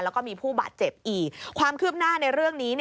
แล้วก็มีผู้บาดเจ็บอีกความคืบหน้าในเรื่องนี้